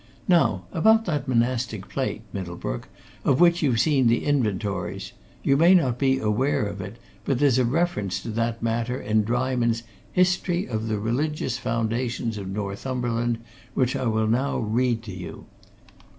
Now about that monastic plate, Middlebrook, of which you've seen the inventories you may not be aware of it, but there's a reference to that matter in Dryman's 'History of the Religious Foundations of Northumberland' which I will now read to you.